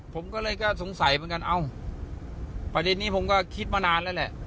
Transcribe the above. ผมก็เลยก็สงสัยเหมือนกันเอ้าประเด็นนี้ผมก็คิดมานานแล้วแหละ